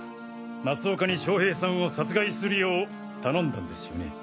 増岡に将平さんを殺害するよう頼んだんですよね。